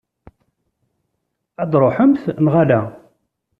Ad truḥemt, neɣ ala?